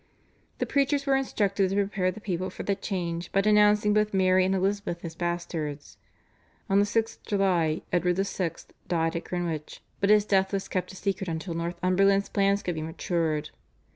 The preachers were instructed to prepare the people for the change by denouncing both Mary and Elizabeth as bastards. On the 6th July Edward VI. died at Greenwich, but his death was kept a secret until Northumberland's plans could be matured.